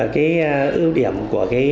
cái ưu điểm của